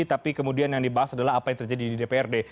tapi kemudian yang dibahas adalah apa yang terjadi di dprd